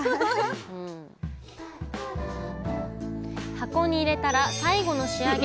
箱に入れたら最後の仕上げ。